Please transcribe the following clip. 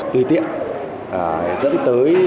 tư tiện dẫn tới